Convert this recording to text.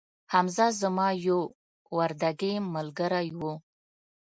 حمزه زما یو وردکې ملګري وو